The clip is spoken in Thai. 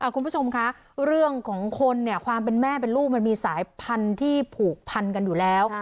คุณผู้ชมคะเรื่องของคนเนี่ยความเป็นแม่เป็นลูกมันมีสายพันธุ์ที่ผูกพันกันอยู่แล้ว